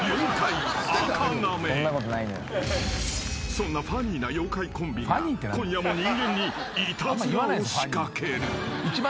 ［そんなファニーな妖怪コンビが今夜も人間にいたずらを仕掛ける］